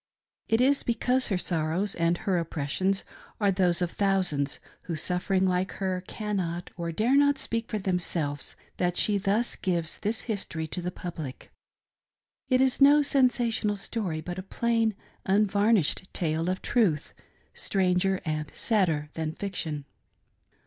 It is because her sorrows and her oppressions are those of thousands, who, suffering Hke her, cannot or dare not speak for themselves, that she thus gives this history to the public. It is no sensational story, but. a plain, unvarnished tale of truth, stranger and sadder than fiction.